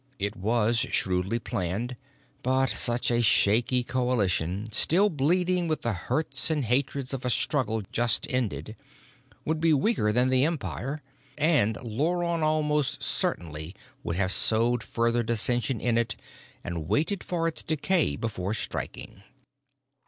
It was shrewdly planned, but such a shaky coalition, still bleeding with the hurts and hatreds of a struggle just ended, would be weaker than the Empire, and Luron almost certainly would have sowed further dissension in it and waited for its decay before striking.